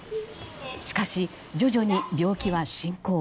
しかし、徐々に病気は進行。